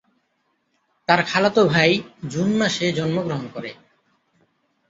তার খালাতো ভাই জুন মাসে জন্মগ্রহণ করে।